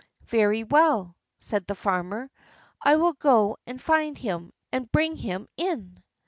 "Very well," said the farmer; "I will go and find him, and bring him in."